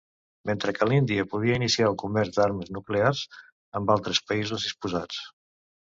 Mentre que l'Índia podria iniciar el comerç d"armes nuclears amb altres països disposats.